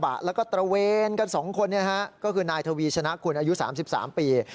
กระบะแล้วก็ตระเวนกันสองคนนะฮะก็คือนายทวีชนะคุณอายุสามสิบสามปี